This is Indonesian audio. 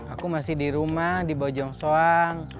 aku masih di rumah di bojong soang